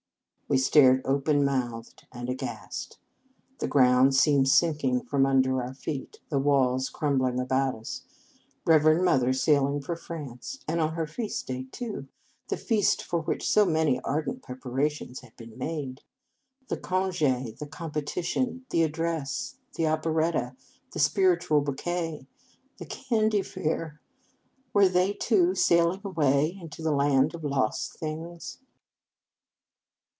We stared open mouthed and aghast. The ground seemed sinking from under our feet, the walls crum bling about us. Reverend Mother sail ing for France ! And on her feast day, too, the feast for which so many ardent preparations had been made. The conge, the competition, the ad dress, the operetta, the spiritual bou quet, the candy fair, were they, too, sailing away into the land of lost things